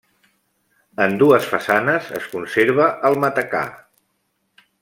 En dues façanes es conserva el matacà.